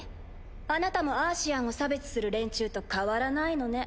あなたもアーシアンを差別する連中と変わらないのね。